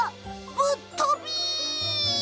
ぶっとび！